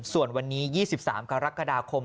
ส่วนวันนี้๒๓กรกฎาคม